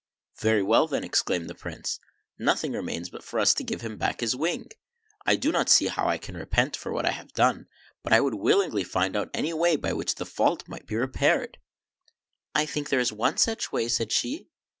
"Very well, then," exclaimed the Prince: "nothing re mains but for us to give him back his wing. I do not see how I can repent for what I have done, but I would willingly find out any way by which the fault might be repaired," " I think there is one such way," said she.